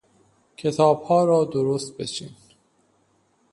کتابها را درست بچین.